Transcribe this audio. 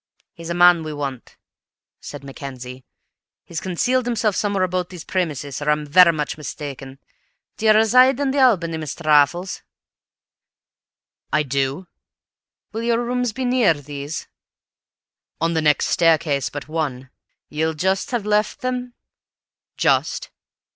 "He's a man we want," said Mackenzie. "He's concealed himself somewhere about these premises, or I'm vera much mistaken. D'ye reside in the Albany, Mr. Raffles?" "I do." "Will your rooms be near these?" "On the next staircase but one." "Ye'll just have left them?" "Just."